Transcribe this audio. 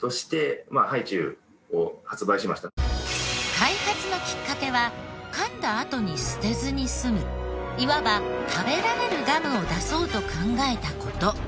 開発のきっかけは噛んだあとに捨てずに済むいわば食べられるガムを出そうと考えた事。